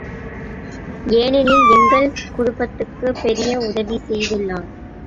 ஏனெனில் எங்கள் குடுப்பத்துக்குப் பெரிய உதவி செய்துள்ளார்.